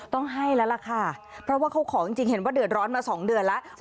ต้องให้แล้วล่ะค่ะเพราะว่าเขาของจริงเห็นว่าเดือดร้อนมา๒เดือนแล้ว